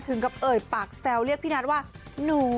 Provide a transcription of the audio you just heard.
ถึงกับเอ่ยปากแซวเรียกพี่นัทว่า